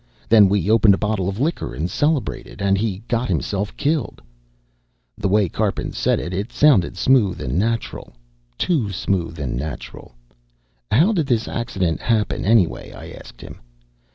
Then we opened a bottle of liquor and celebrated, and he got himself killed." The way Karpin said it, it sounded smooth and natural. Too smooth and natural. "How did this accident happen anyway?" I asked him.